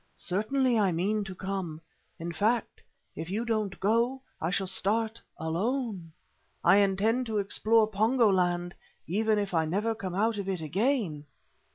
"Certainly I mean to come. In fact, if you don't go, I shall start alone. I intend to explore Pongo land even if I never come out of it again."